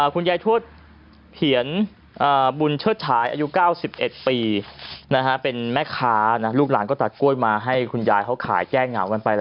คุณยายทวดเถียนบุญเชิดฉายอายุ๙๑ปีเป็นแม่ค้าลูกหลานก็ตัดกล้วยมาให้คุณยายเขาขายแก้เหงากันไปแล้ว